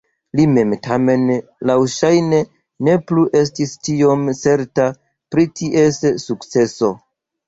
Li mem tamen laŭŝajne ne plu estis tiom certa pri ties sukceso.